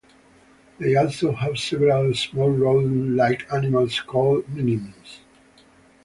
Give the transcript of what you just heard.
They also have several small rodent-like animals called Minims.